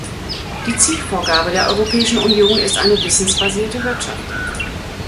Die Zielvorgabe der Europäischen Union ist eine wissensbasierte Wirtschaft.